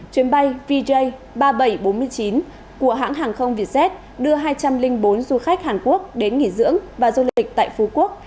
chuyến bay vj ba nghìn bảy trăm bốn mươi chín của hãng hàng không vietjet đưa hai trăm linh bốn du khách hàn quốc đến nghỉ dưỡng và du lịch tại phú quốc